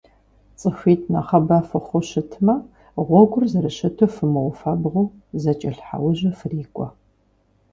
Цӏыхуитӏ нэхъыбэ фыхъуу щытмэ, гъуэгур зэрыщыту фымыуфэбгъуу, зэкӏэлъхьэужьу фрикӏуэ.